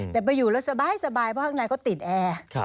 แต่ไปอยู่แล้วสบายเพราะข้างในก็ติดแอร์